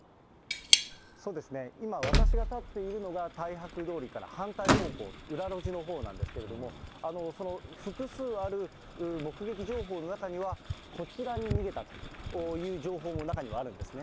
そうですね、今、私が立っているのが、大博通りから反対方向、裏路地のほうなんですけれども、複数ある目撃情報の中には、こちらに逃げたという情報も中にはあるんですね。